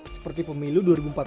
seperti pemilu dua ribu empat belas